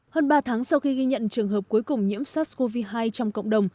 hơn ba tháng sau khi ghi nhận trường hợp cuối cùng nhiễm sars cov hai trong cộng đồng